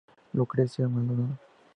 Lucrecia Maldonado.